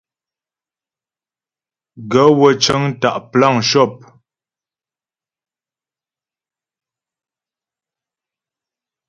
Gaə̂ wə́ cə́ŋ tá' plan shɔ́p.